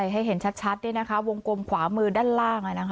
ให้เห็นชัดวงกลมขวามือด้านล่าง